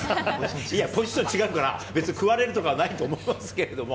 いや、ポジション違うから、別に食われるとかはないと思いますけども。